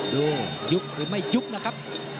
ดูยุบหรือไม่ยุบนะครับ